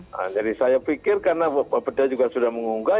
nah jadi saya pikir karena bapak bedah juga sudah mengunggah